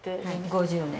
５０年。